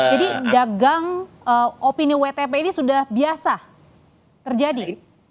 jadi dagang opini wtp ini sudah biasa terjadi